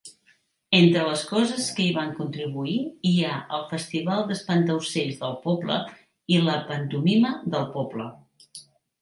Entre les coses que hi van contribuir hi ha el festival d'espantaocells del poble i la pantomima del poble.